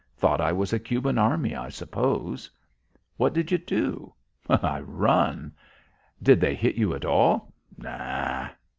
Thought I was a Cuban army, I suppose." "What did you do?" "I run." "Did they hit you, at all?"